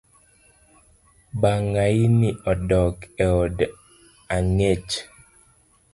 Bangaini oduok eod angech